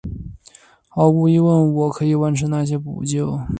毫无疑问我可以完成那些扑救！